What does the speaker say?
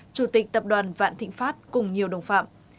chủ tịch tập đoàn vạn thịnh pháp cùng nhiều đồng phạm